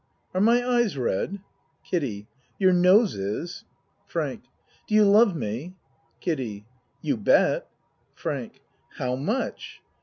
Are my eyes red? KIDDIE Your nose is. FRANK Do you love me? KIDDIE You bet. FRANK How much?